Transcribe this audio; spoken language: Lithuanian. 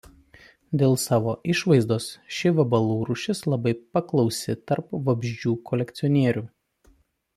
Dėl savo išvaizdos ši vabalų rūšis labai paklausi tarp vabzdžių kolekcionierių.